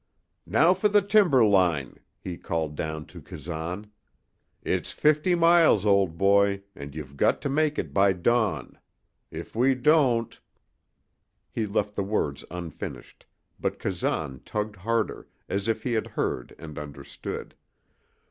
"Now for the timber line," he called down to Kazan. "It's fifty miles, old boy, and you've got to make it by dawn. If we don't " He left the words unfinished, but Kazan tugged harder, as if he had heard and understood.